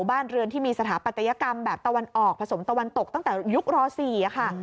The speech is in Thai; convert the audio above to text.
บ้านเรือนที่มีสถาปัตยกรรมแบบตะวันออกผสมตะวันตกตั้งแต่ยุคร๔ค่ะ